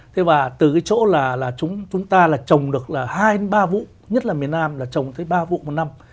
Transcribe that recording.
thế và từ cái chỗ là chúng ta trồng được hai ba vụ nhất là miền nam là trồng tới ba vụ một năm